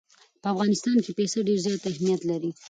په افغانستان کې پسه ډېر زیات اهمیت لري.